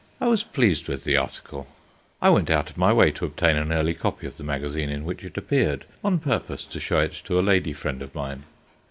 I was pleased with the article. I went out of my way to obtain an early copy of the magazine in which it appeared, on purpose to show it to a lady friend of mine.